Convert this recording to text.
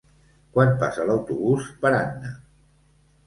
Quan passa l'autobús per Anna?